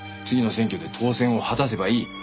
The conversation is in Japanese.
次の選挙で当選を果たせばいい。